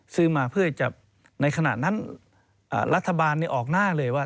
ซื้อมาเพื่อจะในขณะนั้นรัฐบาลออกหน้าเลยว่า